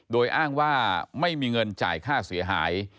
โดยอ้างว่าไม่มีเงินจ่ายค่าเสียหาย